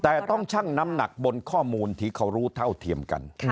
แต่ต้องชั่งน้ำหนักบนข้อมูลที่เขารู้เท่าเทียมกัน